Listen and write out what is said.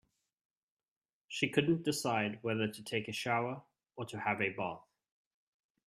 She couldn't decide whether to take a shower or to have a bath.